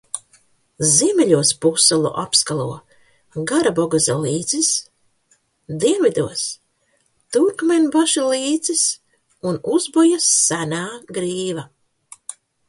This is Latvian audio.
Ziemeļos pussalu apskalo Garabogaza līcis, dienvidos – Turkmenbaši līcis un Uzbojas senā grīva.